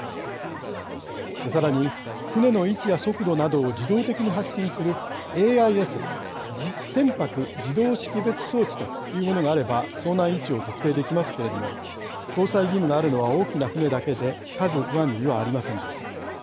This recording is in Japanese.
更に船の位置や速度などを自動的に発信するＡＩＳ船舶自動識別装置というものがあれば遭難位置を特定できますけれども搭載義務があるのは大きな船だけで「ＫＡＺＵⅠ」にはありませんでした。